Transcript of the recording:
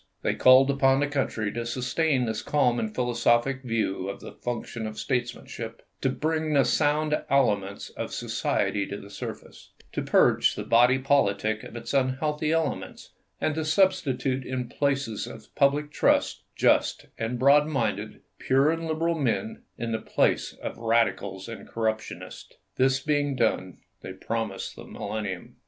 They called upon the country to sustain this calm and philosophic view of the function of statesmanship, "to bring the sound elements of society to the surface," to " purge the body politic of its unhealthy elements," and to substitute in places of public trust " just and broad minded, pure and liberal men, in the place of radi cals and corruptionists." This being done, they promised the millennium.